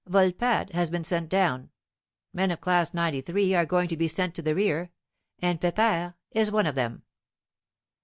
Volpatte has been sent down. Men of Class '93 are going to be sent to the rear, and Pepere is one of them.